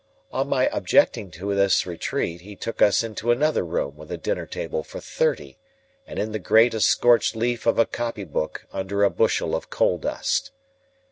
On my objecting to this retreat, he took us into another room with a dinner table for thirty, and in the grate a scorched leaf of a copy book under a bushel of coal dust.